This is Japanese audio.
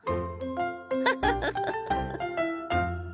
フフフフ。